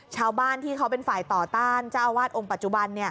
ชาวบ้านที่เขาเป็นฝ่ายต่อต้านเจ้าอาวาสองค์ปัจจุบัน